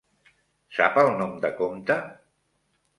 Sap el nom de compte?